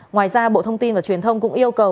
ngoài ra bộ thông tin và truyền thông cũng yêu cầu